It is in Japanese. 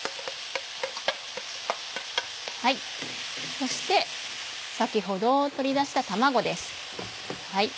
そして先ほど取り出した卵です。